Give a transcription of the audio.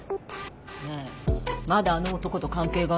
ねえまだあの男と関係があるの？